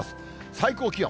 最高気温。